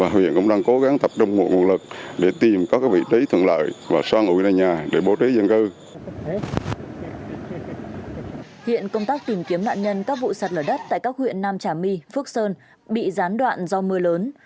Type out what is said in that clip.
hiện công tác tìm kiếm nạn nhân các vụ sạt lở đất tại các huyện nam trà my phước sơn bị gián đoạn do mưa lớn